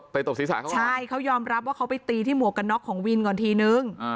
ตบศีรษะเขาใช่เขายอมรับว่าเขาไปตีที่หมวกกันน็อกของวินก่อนทีนึง